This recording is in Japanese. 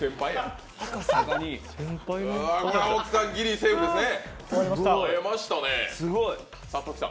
これは大木さんギリセーフですね。